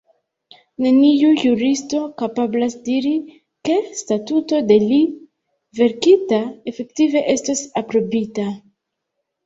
Neniu juristo kapablas diri, ke statuto de li verkita efektive estos aprobita.